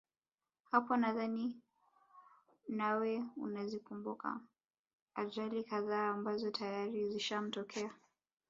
Hapo nadhani nawe unazikumbuka ajali kadhaa ambazo tayari zimshatokea